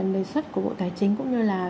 lời xuất của bộ tài chính cũng như